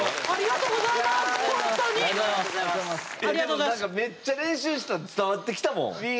ありがとうございますほんとに！